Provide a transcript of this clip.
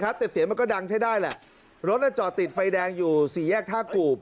แต่เสียงมันก็ดังใช้ได้แหละรถจอดติดไฟแดงอยู่สี่แยกท่ากูบ